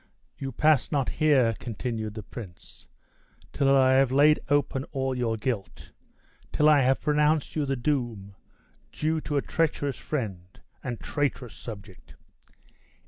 "You pass not here," continued the prince, "till I have laid open all your guilt; till I have laid open all your guilt; till I have pronounced you the doom due to a treacherous friend and traitorous subject."